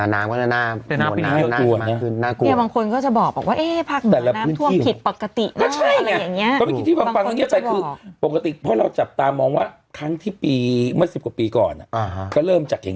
น้ำก็จะน่ากลัวน่ะน่ากลัวน่ะน่ากลัวน่ะ